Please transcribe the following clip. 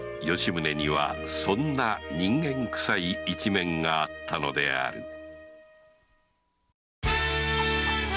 吉宗にはそんな人間くさい一面があったのである